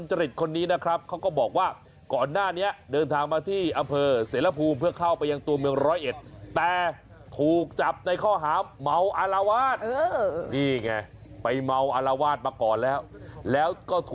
อะไรอ่ะคะอ่านข่าวไม่ถนัดปากเลย